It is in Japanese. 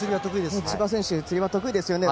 千葉選手はつり輪得意ですよね。